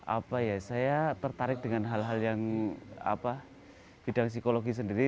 apa ya saya tertarik dengan hal hal yang bidang psikologi sendiri